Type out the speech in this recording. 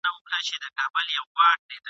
هم ډنګر وو هم له رنګه لکه سکور وو..